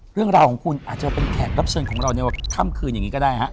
เรื่องราวของคุณอาจจะเป็นแขกรับเชิญของเราในค่ำคืนอย่างนี้ก็ได้ฮะ